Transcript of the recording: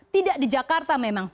tidak di jakarta memang